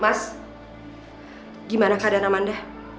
mas gimana keadaan amanda